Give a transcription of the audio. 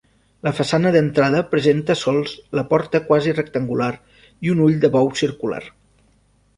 La façana d'entrada presenta sols la porta quasi rectangular i un ull de bou circular.